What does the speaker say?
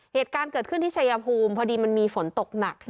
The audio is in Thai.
เหตุการณ์เกิดขึ้นที่ชายภูมิพอดีมันมีฝนตกหนัก